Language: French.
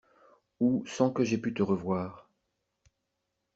Ou sans que j'ai pu te revoir.